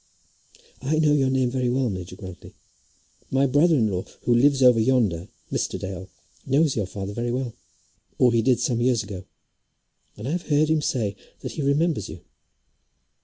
"I know your name very well, Major Grantly. My brother in law who lives over yonder, Mr. Dale, knows your father very well, or he did some years ago. And I have heard him say that he remembers you."